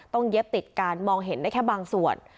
เย็บติดการมองเห็นได้แค่บางส่วน